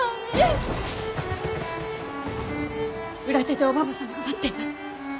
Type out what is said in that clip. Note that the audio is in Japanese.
裏手でおばば様が待っています。